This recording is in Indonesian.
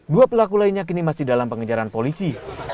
dua pelaku lainnya kini masih dalam pengejaran polisi